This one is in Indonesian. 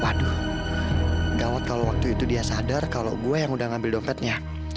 waduh gawat kalau waktu itu dia sadar kalau gue yang udah ngambil dompetnya